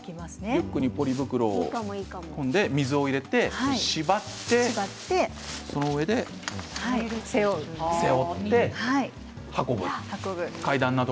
リュックにポリ袋を入れてくんで、縛ってそのうえで背負って運ぶ。